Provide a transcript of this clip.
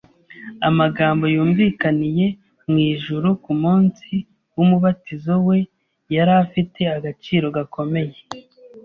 Amagambo yumvikaniye mu ijuru ku munsi w’umubatizo we yari afite agaciro gakomeye;